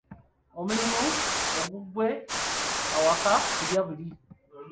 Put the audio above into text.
Omulimu ogugwe awaka kulya buli.